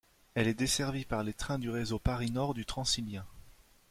Elle est desservie par les trains du réseau Paris-Nord du Transilien.